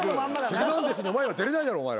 『ヒルナンデス！』にお前ら出れないだろ。